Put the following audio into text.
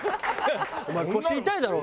「お前腰痛いだろう」。